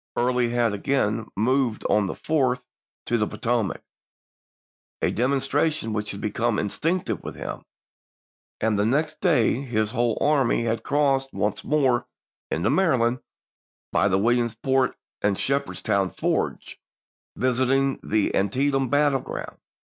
Early had again moved on the 4th to the Potomac — a demonstra Aug.,i864. tion which had become instinctive with him — and the next day his whole army had crossed once more into Maryland by the Williamsport and Shepherds town fords, visiting the Antietam battleground.